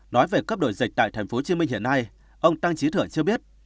nói về cấp độ dịch tại tp hcm hiện nay ông tăng trí thượng chưa biết